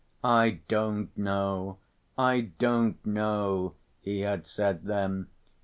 "I don't know, I don't know," he had said then.